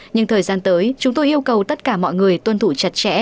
nhưng thời gian tới chúng tôi yêu cầu tất cả mọi người tuân thủ chặt chẽ